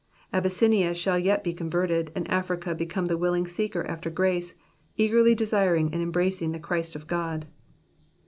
Ab^^ssinia shall yet be converted, and Africa become the willing seeker after grace, eagerly desiring and embracing the Christ of God.